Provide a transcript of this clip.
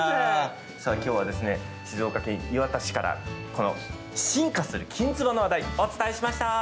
さあ今日はですね静岡県磐田市からこの進化するきんつばの話題お伝えしました。